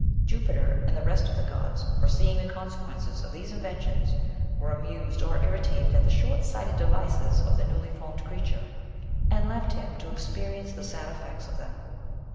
Jupiter, and the rest of the gods, foreseeing the consequences of these inventions, were amused or irritated at the short sighted devices of the newly formed creature, and left him to experience the sad effects of them.